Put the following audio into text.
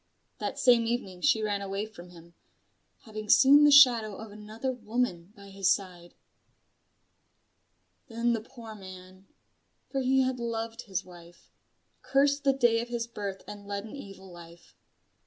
That same evening she ran away from him: having seen the shadow of another woman by his side. Then the poor man for he had loved his wife cursed the day of his birth and led an evil life.